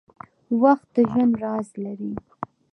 • وخت د ژوند راز لري.